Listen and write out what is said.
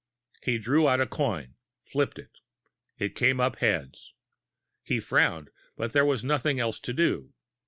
He drew out a coin, flipping it. It came up heads. He frowned, but there was nothing else to do.